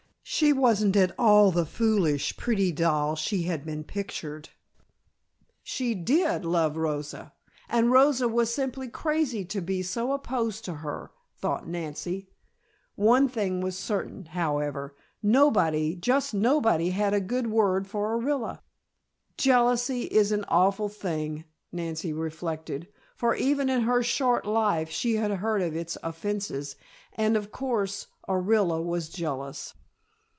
She wasn't at all the foolish, pretty doll she had been pictured, she did love Rosa, and Rosa was simply crazy to be so opposed to her, thought Nancy. One thing was certain, however, nobody, just nobody, had a good word for Orilla. Jealousy is an awful thing, Nancy reflected, for even in her short life she had heard of its offences and, of course, Orilla was jealous.